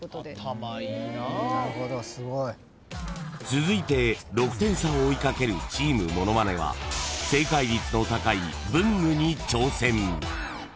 ［続いて６点差を追い掛けるチームものまねは正解率の高い文具に挑戦］